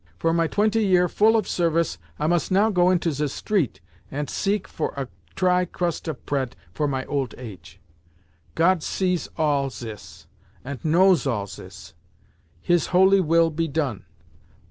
For my twenty year full of service I most now go into ze street ant seek for a try crust of preat for my olt age! Got sees all sis, ant knows all sis. His holy will be done!